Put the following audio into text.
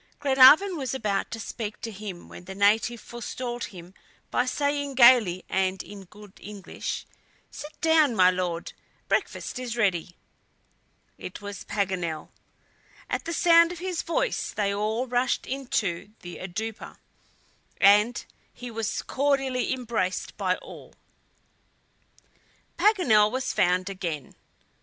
Glenarvan was about to speak to him when the native forestalled him by saying gayly and in good English: "Sit down, my Lord; breakfast is ready." It was Paganel. At the sound of his voice they all rushed into the "oudoupa," and he was cordially embraced all round. Paganel was found again.